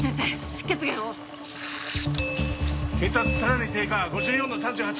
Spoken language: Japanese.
出血源を血圧さらに低下５４の３８